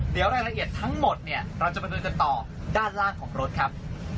เดี๋ยวรายละเอียดทั้งหมดเนี่ยเราจะมาดูกันต่อด้านล่างของรถครับ